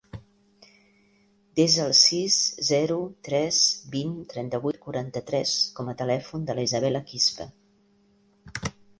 Desa el sis, zero, tres, vint, trenta-vuit, quaranta-tres com a telèfon de l'Isabella Quispe.